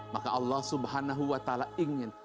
maka allah subhanahu wa ta'ala ingin